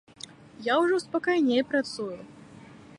Я ўжо спакайней працую.